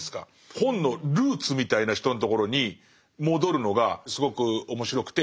本のルーツみたいな人のところに戻るのがすごく面白くて。